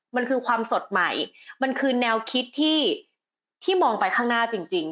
มันคือความสดใหม่มันคือแนวคิดที่มองไปข้างหน้าจริง